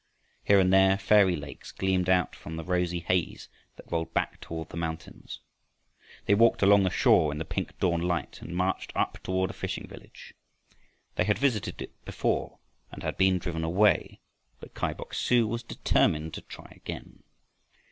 Here and there fairy lakes gleamed out from the rosy haze that rolled back toward the mountains. They walked along the shore in the pink dawn light and marched up toward a fishing village. They had visited it before and had been driven away, but Kai Bok su was determined to try again.